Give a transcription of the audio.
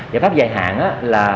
giải pháp dài hạn là